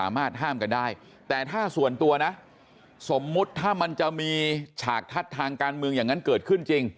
มันจะมีฉากทัดทางการเมืองอย่างนั้นเกิดขึ้นจริง